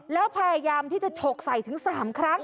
แล้วพยายามที่จะฉกใส่ถึง๓ครั้ง